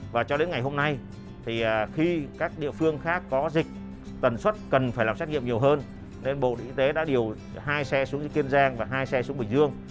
và cho đến ngày hôm nay thì khi các địa phương khác có dịch tần suất cần phải làm xét nghiệm nhiều hơn bộ y tế đã điều hai xe xuống kiên giang và hai xe xuống bình dương